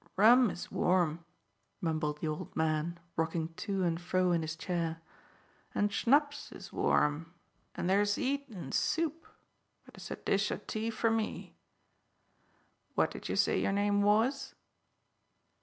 "Rum is warm," mumbled the old man, rocking to and fro in his chair, "and schnapps is warm, and there's 'eat in soup, but it's a dish o' tea for me. What did you say your name was?"